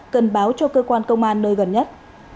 cần báo cho cơ quan công an nơi gần nhất